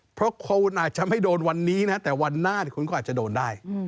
เพราะคุณอาจจะไม่โดนวันนี้นะแต่วันหน้าคุณก็อาจจะโดนได้